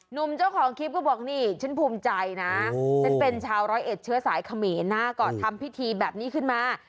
หนุ่มเจ้าของคลิปก็บอกนี่ฉันภูมิใจนะฉันเป็นชาวร้อยเอ็ดเชื้อสายเขมรนะก็ทำพิธีแบบนี้ขึ้นมา